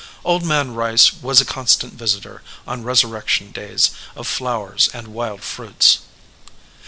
Old Man Rice was a constant visitor on resurrection days of flowers and wild fruits.